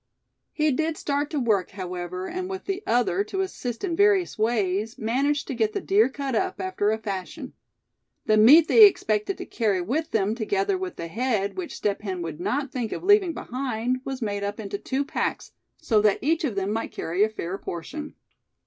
He did start to work, however, and with the other to assist in various ways, managed to get the deer cut up, after a fashion. The meat they expected to carry with them, together with the head, which Step Hen would not think of leaving behind, was made up into two packs, so that each of them might carry a fair portion.